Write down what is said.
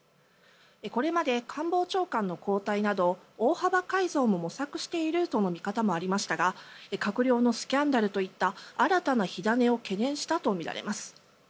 これまで官房長官の交代など大幅改造も模索しているとの見方もありましたが閣僚のスキャンダルといった新たな火種を懸念したとみられます。